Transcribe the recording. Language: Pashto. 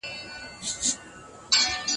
پانګوال باید د ټولنې لپاره کار وکړي.